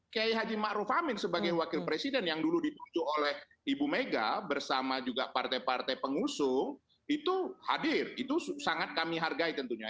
kiai haji ⁇ maruf ⁇ amin sebagai wakil presiden yang dulu dipicu oleh ibu mega bersama juga partai partai pengusung itu hadir itu sangat kami hargai tentunya